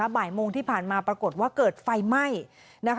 บ่ายมงที่พันมาปรากฏว่าเกิดไฟไหม้